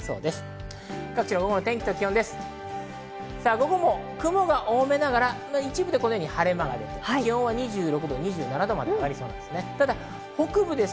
午後も雲が多めながら一部で晴れ間が出て、気温は２６２７度まで上がりそうです。